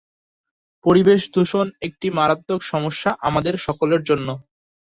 পরিবেশ দূষণ একটি মারাত্মক সমস্যা আমাদের সকলের জন্য।